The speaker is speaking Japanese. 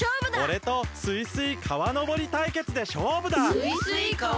おれとスイスイ川のぼり対決でしょうぶだ！